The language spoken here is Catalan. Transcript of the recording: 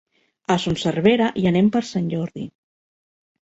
A Son Servera hi anem per Sant Jordi.